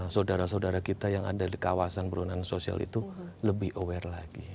saudara saudara kita yang ada di kawasan perundangan sosial itu lebih aware lagi